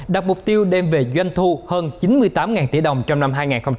đặt mục tiêu đem về doanh thu hơn chín mươi tám tỷ đồng trong năm hai nghìn hai mươi